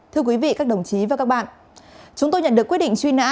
thưa quý vị các đồng chí và các bạn chúng tôi nhận được quyết định truy nã